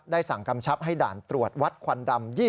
สั่งกำชับให้ด่านตรวจวัดควันดำ